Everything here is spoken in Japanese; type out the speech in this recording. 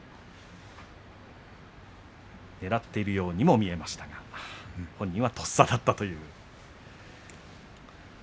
ねらっているようにも見えましたが本人はとっさだったという話です。